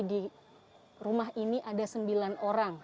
di rumah ini ada sembilan orang